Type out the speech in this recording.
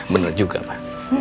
bener juga pa